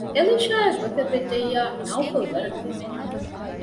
އެލީޝާއަށް ގޮތެއް ވެއްޖިއްޔާ ނައުފަލު ވަރަށް ދެރަވާނެ